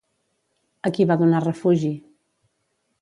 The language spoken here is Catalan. A qui va donar refugi?